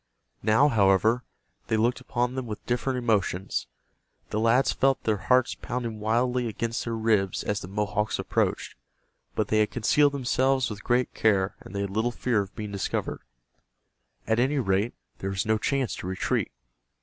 Now, however, they looked upon them with different emotions. The lads felt their hearts pounding wildly against their ribs as the Mohawks approached, but they had concealed themselves with great care and they had little fear of being discovered. At any rate there was no chance to retreat.